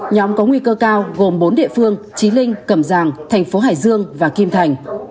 nhóm có nguy cơ cao gồm bốn địa phương trí linh cầm giàng tp hải dương và kim thành